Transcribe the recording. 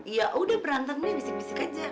ya udah berantem deh bisik bisik aja